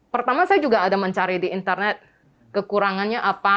pertama saya juga ada mencari di internet kekurangannya apa